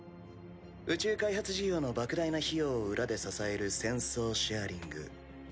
宇宙開発事業の莫大な費用を裏で支える戦争シェアリング。